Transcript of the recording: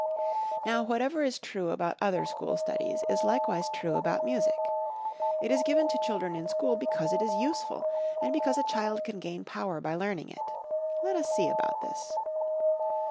Now, whatever is true about other school studies is likewise true about music. It is given to children in school because it is useful, and because a child can gain power by learning it. Let us see about this.